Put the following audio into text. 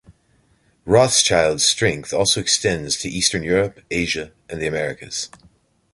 Rothschild's strength also extends to Eastern Europe, Asia and the Americas.